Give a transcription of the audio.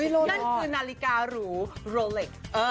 นั่นคือนาฬิกาหรือโรเลค